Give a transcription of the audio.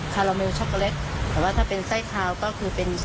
แต่ว่าถ้าเป็นใส้ขาวก็คือเป็น